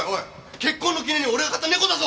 結婚の記念に俺が買った猫だぞ！